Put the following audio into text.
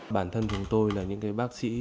bản thân chúng tôi là những cái bác sĩ